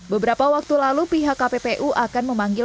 beberapa waktu lalu pihak kppu akan memanggil